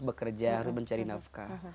bekerja harus mencari nafkah